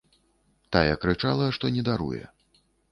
Тая крычала, што не даруе.